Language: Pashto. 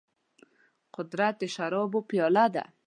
قدرت د شرابو پياله ده.